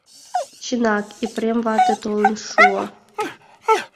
Чынак, Епрем вате толын шуо.